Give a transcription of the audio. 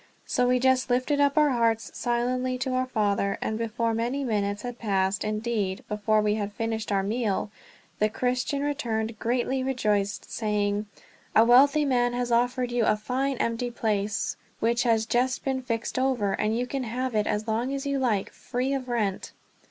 So we just lifted up our hearts silently to our Father; and before many minutes had passed, indeed before we had finished our meal, the Christian returned greatly rejoiced, saying: "A wealthy man has offered you a fine empty place which has just been fixed over. And you can have it as long as you like, free of rent."